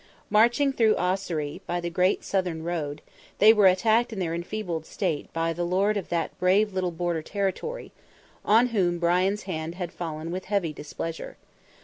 Marching through Ossory, by the great southern road, they were attacked in their enfeebled state by the lord of that brave little border territory, on whom Brian's hand had fallen with heavy displeasure.